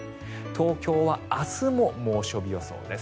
東京は明日も猛暑日予想です。